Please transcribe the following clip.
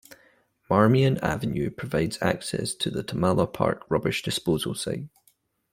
Marmion Avenue provides access to the Tamala Park Rubbish Disposal Site.